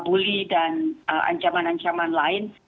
bully dan ancaman ancaman lain